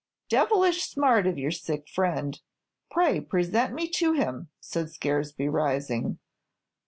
devilish smart of your sick friend. Pray present me to him," said Scaresby, rising.